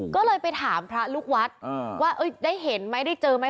ก็เลยไปถามพระลูกวัดว่าได้เห็นไหมได้เจอไหม